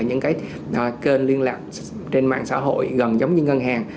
những kênh liên lạc trên mạng xã hội gần giống như ngân hàng